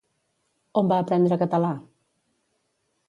On va aprendre català?